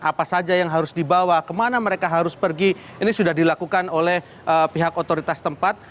apa saja yang harus dibawa kemana mereka harus pergi ini sudah dilakukan oleh pihak otoritas tempat